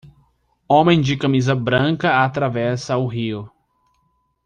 Homem de camisa branca atravessa o rio.